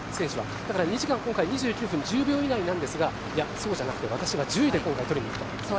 今回２時間２９分１０秒以内なんですがいや、そうじゃなくて私は１０時で取りにいくと。